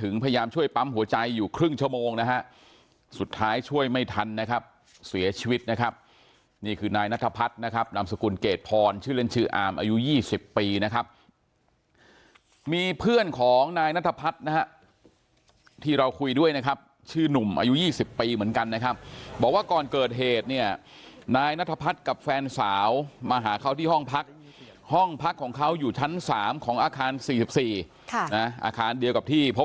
นะครับเสียชีวิตนะครับนี่คือนายนัทพัฒน์นะครับนามสกุลเกดพรชื่อเล่นชื่ออามอายุยี่สิบปีนะครับมีเพื่อนของนายนัทพัฒน์นะครับที่เราคุยด้วยนะครับชื่อนุ่มอายุยี่สิบปีเหมือนกันนะครับบอกว่าก่อนเกิดเหตุเนี่ยนายนัทพัฒน์กับแฟนสาวมาหาเขาที่ห้องพักห้องพักของเขาอยู่ชั้น๓ของอาคาร๔๔อาคารเดียวกับท